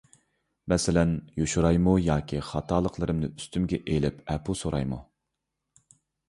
مەسىلەن، يوشۇرايمۇ ياكى خاتالىقلىرىمنى ئۈستۈمگە ئېلىپ ئەپۇ سورايمۇ؟